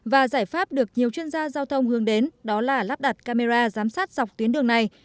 và giải pháp được nhiều chuyên gia giao thông hướng đến đó là lắp đặt camera giám sát dọc tuyến đường này